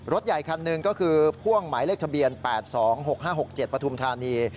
ใหญ่คันหนึ่งก็คือพ่วงหมายเลขทะเบียน๘๒๖๕๖๗ปฐุมธานี